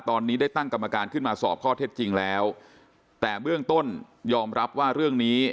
ตอนนี้ได้ตั้งกรรมการขึ้นมาสอบข้อเท็จจริงแล้วแต่เบื้องต้นยอมรับว่าเรื่องนี้